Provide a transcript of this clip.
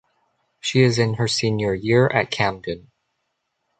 She is in her senior year at Camden.